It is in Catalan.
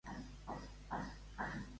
Quin any va aconseguir aquest títol Bastidas?